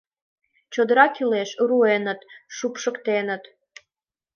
Чодыра кӱлеш — руэныт, шупшыктеныт!